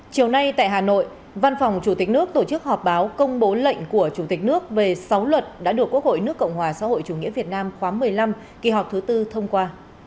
chiều nay tại hà nội văn phòng chủ tịch nước tổ chức họp báo công bố lệnh của chủ tịch nước về sáu luật đã được quốc hội nước cộng hòa xã hội chủ nghĩa việt nam khóa một mươi năm kỳ họp thứ tư thông qua